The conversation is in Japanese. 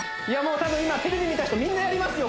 たぶん今テレビ見た人みんなやりますよ